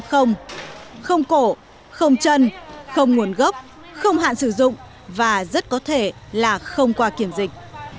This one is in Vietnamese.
không cổ không chân không nguồn gốc không hạn sử dụng và rất có thể là không qua kiểm dịch